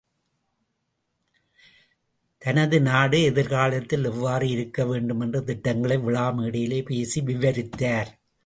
தனது நாடு எதிர்காலத்தில் எவ்வாறு இருக்க வேண்டுமென்ற திட்டங்களை விழா மேடையிலே பேசி விவரித்தார்.